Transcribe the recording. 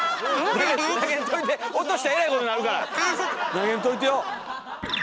投げんといてよ！